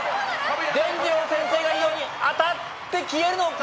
でんじろう先生が言うように当たって消えるのか？